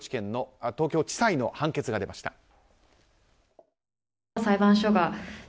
東京地裁の判決が出ました。